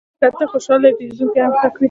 که ته خوشحاله یې، پیرودونکی هم خوښ وي.